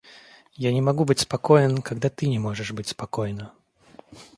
Я не могу быть спокоен, когда ты не можешь быть спокойна...